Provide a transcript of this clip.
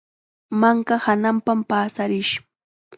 Manka hananpam paasarish.